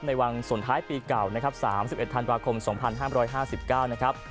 ในวันสนท้ายปีเก่านะครับ๓๑ธันวาคม๒๕๕๙นะครับ